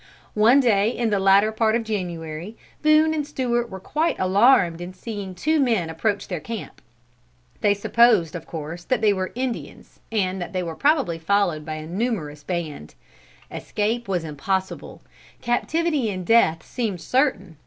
One day in the latter part of January, Boone and Stewart were quite alarmed in seeing two men approach their camp. They supposed of course that they were Indians, and that they were probably followed by a numerous band. Escape was impossible. Captivity and death seemed certain.